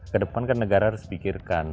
kedepan kan negara harus pikirkan